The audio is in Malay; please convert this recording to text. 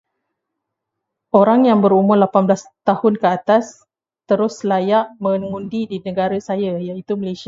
Orang yang berumur lapan belas tahun ke atas terus layak mengundi di negara saya iaitu Malaysia.